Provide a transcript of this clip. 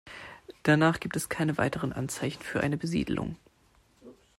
Danach gibt es keine weiteren Anzeichen für eine Besiedlung.